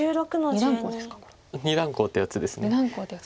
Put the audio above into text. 二段コウっていうやつです。